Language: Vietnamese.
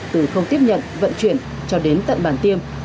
từ không tiếp nhận vận chuyển cho đến tận bản tiêm